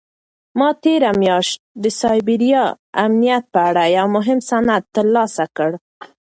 ما تېره میاشت د سایبري امنیت په اړه یو مهم سند ترلاسه کړ.